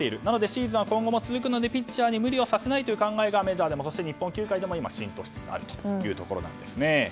シーズンは今後も続くのでピッチャーに無理をさせないという考えがメジャーでもそして日本球界でも浸透しつつあるということです。